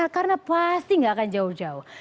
karena pasti gak akan jauh jauh